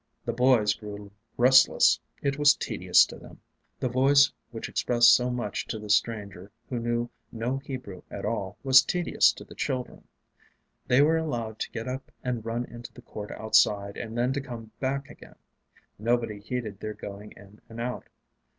The boys grew restless; it was tedious to them the Voice which expressed so much to the stranger who knew no Hebrew at all was tedious to the children; they were allowed to get up and run into the court outside and then to come back again; nobody heeded their going in and out.